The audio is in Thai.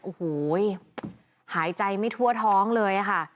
โอ้โหหายใจไม่ทั่วท้องเลยค่ะ